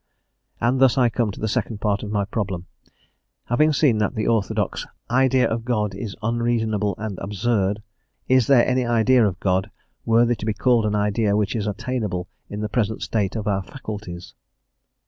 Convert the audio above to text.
And thus I come to the second part of my problem; having seen that the orthodox "idea of God is unreasonable and absurd, is there any idea of God, worthy to be called an idea, which is attainable in the present state of our faculties?"